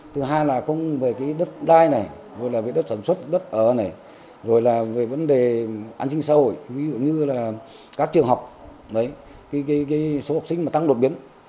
thứ hai là cũng về cái đất đai này rồi là về đất sản xuất đất ở này rồi là về vấn đề an sinh xã hội ví dụ như là các trường học đấy cái số học sinh mà tăng đột biến